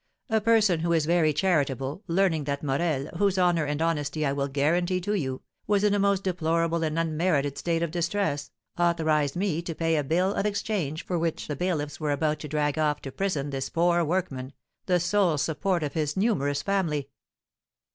"A person who is very charitable, learning that Morel, whose honour and honesty I will guarantee to you, was in a most deplorable and unmerited state of distress, authorised me to pay a bill of exchange for which the bailiffs were about to drag off to prison this poor workman, the sole support of his numerous family."